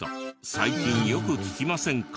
最近よく聞きませんか？